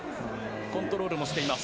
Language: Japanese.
コントロールもしています。